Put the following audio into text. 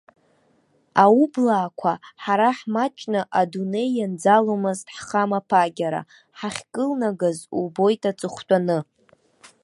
Аублаақәа, ҳара ҳмаҷны, адунеи ианӡаломызт ҳхамаԥагьара, ҳахькылнагаз убоит аҵыхәтәаны!